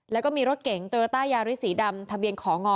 แล้วก็มีรถเก๋งโตโยต้ายาริสสีดำทะเบียนของงอ